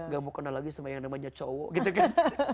gak mau kenal lagi sama yang namanya cowok gitu kan